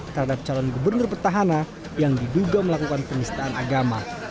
terhadap calon gubernur petahana yang diduga melakukan penistaan agama